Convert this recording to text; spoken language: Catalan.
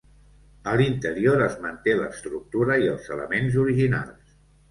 A l'interior es manté l'estructura i els elements originals.